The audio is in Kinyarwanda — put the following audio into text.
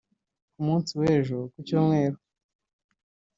Ku munsi w’ejo kucyumweru